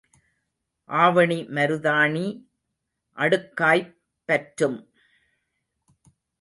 ஆவணி மருதாணி அடுக்காய்ப் பற்றும்.